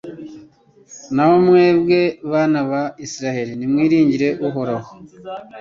Naho mwebwe bana ba Israheli nimwiringire Uhoraho